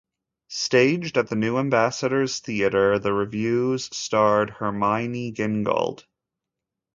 Staged at the New Ambassadors Theatre, the revues starred Hermione Gingold.